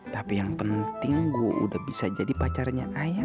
tapi yang penting gue udah bisa jadi pacarnya ayah